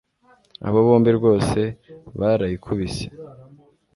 abo bombi rwose barayikubise